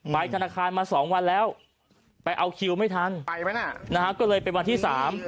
ธนาคารมาสองวันแล้วไปเอาคิวไม่ทันก็เลยเป็นวันที่สาม